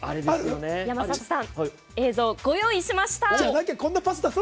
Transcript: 山里さん映像、ご用意しました。